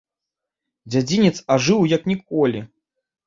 Дзядзінец ажыў як ніколі.